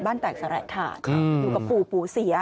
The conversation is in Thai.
บ้านแตกสระถาดครับอยู่กับปู่เสีย